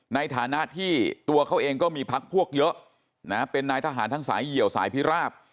ในฐานะที่ตัวเขาเองก็มีพักพวกเยอะนะเป็นนายทหารทั้งสายเหี่ยวสายพิราบ